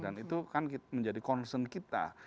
dan itu kan menjadi concern kita